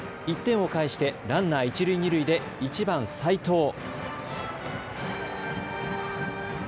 １点を返してランナー一塁、二塁で１番・齋藤。